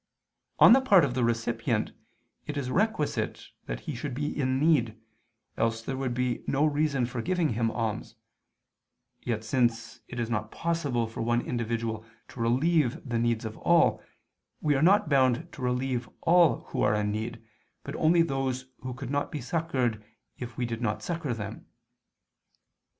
On the part of the recipient it is requisite that he should be in need, else there would be no reason for giving him alms: yet since it is not possible for one individual to relieve the needs of all, we are not bound to relieve all who are in need, but only those who could not be succored if we not did succor them.